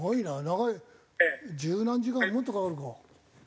長い十何時間もっとかかるか？